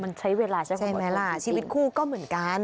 มันใช้เวลาใช้ความประกอบต่างจริงใช่ไหมล่ะชีวิตคู่ก็เหมือนกัน